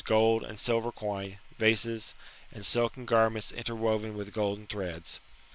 gold and silver coin, vases, and silken garments interwoven with golden threads.